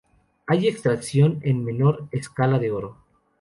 Hay extracción en menor escala de oro.